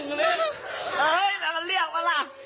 เอ้ยแต่มันเรียกมาล่ะ